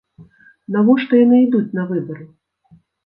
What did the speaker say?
Навошта яны ідуць на выбары?